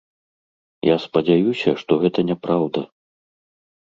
Я спадзяюся, што гэта няпраўда.